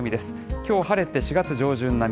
きょうはれて、４月上旬並み。